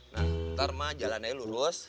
nah ntar mak jalanannya lurus